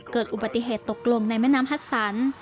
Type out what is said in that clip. เกิดอุบัติเหตุตกลงในแม่น้ำฮัตสัน